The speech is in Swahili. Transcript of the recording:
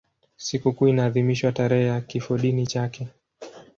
Sikukuu inaadhimishwa tarehe ya kifodini chake.